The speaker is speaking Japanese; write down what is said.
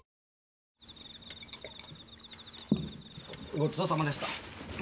ごちそうさまでした。